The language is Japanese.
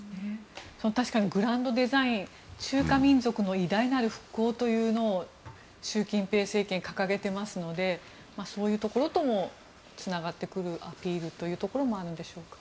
確かにグランドデザイン中華民族の偉大なる復興というのを習近平政権は掲げていますのでそういうところともつながってくるアピールというところもあるんでしょうか。